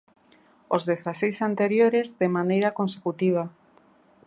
Os dezaseis anteriores de maneira consecutiva.